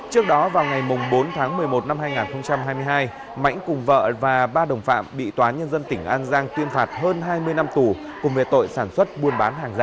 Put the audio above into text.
trước đó vào ngày bốn tháng một mươi một năm hai nghìn hai mươi hai mãnh cùng vợ và ba đồng phạm bị tòa nhân dân tỉnh an giang tuyên phạt hơn hai mươi năm tù cùng về tội sản xuất buôn bán hàng giả